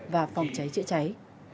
và phòng cháy trễ cháy